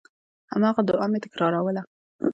هماغه دعا مې تکراروله.